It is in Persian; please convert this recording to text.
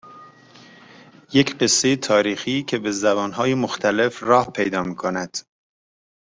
یک قصه تاریخی که به زبانهای مختلف راه پیدا میکند